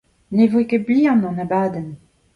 Ne voe ket bihan an abadenn !